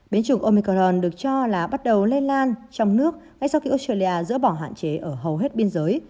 biến chủng omicron được cho là bắt đầu lây lan trong nước ngay sau khi australia dỡ bỏ hạn chế ở hầu hết biên giới